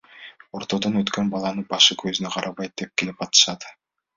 Ортодон өткөн баланы башы көзүнө карабай тепкилеп атышат.